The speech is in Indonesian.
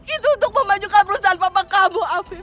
itu untuk memajukan perusahaan papa kamu afif